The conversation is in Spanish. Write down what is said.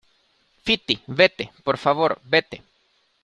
Fiti, vete , por favor. vete .